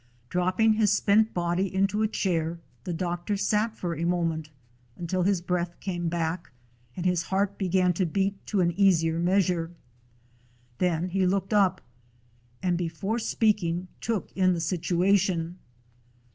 Dropping his spent body into a chair, the doctor sat for a moment until his breath came back and his heart began to beat to an easier measure. Then he looked up, and, before speaking, took in the situation.